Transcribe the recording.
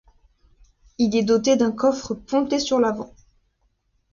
Il est doté d'un coffre ponté sur l'avant.